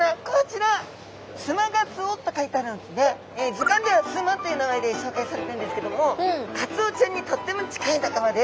図鑑ではスマという名前で紹介されてるんですけどもカツオちゃんにとっても近い仲間で。